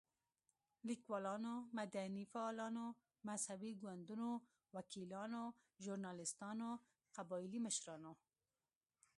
ليکوالانو، مدني فعالانو، مذهبي ګوندونو، وکيلانو، ژورناليستانو، قبايلي مشرانو